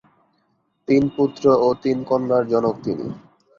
তিন পুত্র ও তিন কন্যার জনক তিনি।